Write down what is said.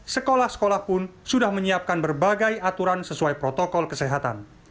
sekolah sekolah pun sudah menyiapkan berbagai aturan sesuai protokol kesehatan